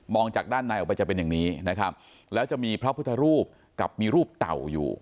จากด้านในออกไปจะเป็นอย่างนี้นะครับแล้วจะมีพระพุทธรูปกับมีรูปเต่าอยู่